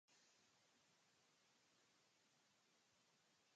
Palm Computing, Inc.